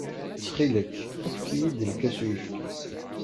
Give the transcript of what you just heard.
Ttxil-k, efk-iyi-d lkas n uyefki.